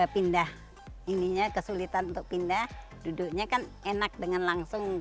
pindah ininya kesulitan untuk pindah duduknya kan enak dengan langsung